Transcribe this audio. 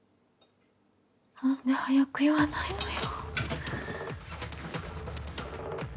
なんで早く言わないのよ。